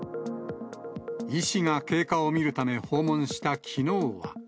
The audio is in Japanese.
医師が経過を診るため訪問したきのうは。